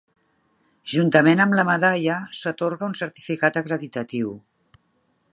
Juntament amb la medalla s'atorga un certificat acreditatiu.